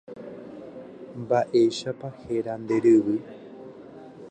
Mba'éichapa héra nde ryvy.